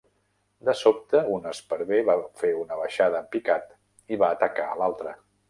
De sobte, un esparver va fer una baixada en picat i va atacar l'altre.